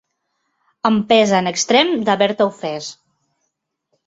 Em pesa en extrem d'haver-te ofès.